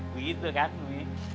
begitu kan umi